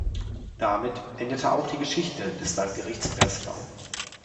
Damit endete auch die Geschichte des Landgerichts Breslau.